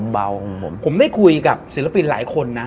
ผมได้คุยกับศิลปินหลายคนนะ